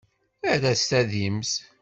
Err-as tadimt.